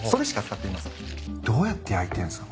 どうやって焼いてんすか？